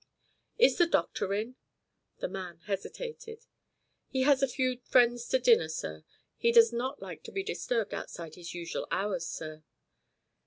"Is the doctor in?" The man hesitated. "He has had a few friends to dinner, sir. He does not like to be disturbed outside his usual hours, sir."